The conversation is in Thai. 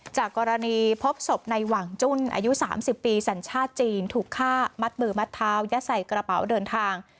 จากกรณีพบศพในหวังจุ้นอายุ๓๐ปีสัญชาติจีนถูกฆ่ามัดมือมัดเท้ายัดใส่กระเป๋าเดินทาง